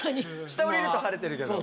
下下りると晴れてるけど。